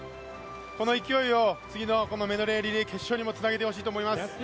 この勢いを次のメドレーリレー決勝にもつなげてもらいたいと思います。